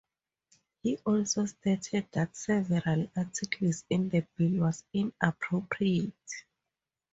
He also stated that several articles in the bill was inappropriate.